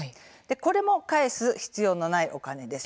これも返す必要のないお金です。